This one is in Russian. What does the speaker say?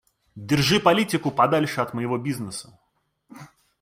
Держи политику подальше от моего бизнеса.